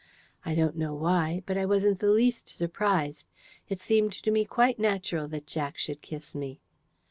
I don't know why, but I wasn't the least surprised. It seemed to me quite natural that Jack should kiss me.